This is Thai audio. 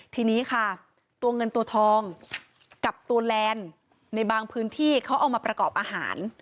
ทีนี้ค่ะตัวเงินตัวทองกับตัวแลนด์ในบางพื้นที่เขาเอามาประกอบอาหาร